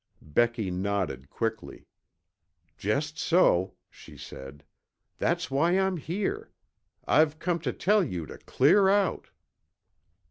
Becky nodded quickly. "Just so," she said. "That's why I'm here. I've come to tell you to clear out."